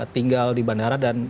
tinggal di bandara dan